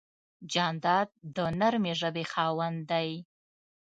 جانداد د نرمې ژبې خاوند دی.